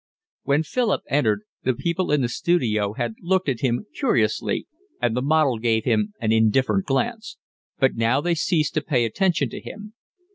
When Philip entered, the people in the studio had looked at him curiously, and the model gave him an indifferent glance, but now they ceased to pay attention to him.